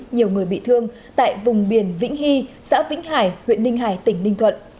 nhiều người bị thương tại vùng biển vĩnh hy xã vĩnh hải huyện ninh hải tỉnh ninh thuận